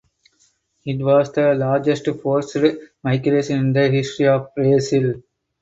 It was the largest forced migration in the history of Brazil.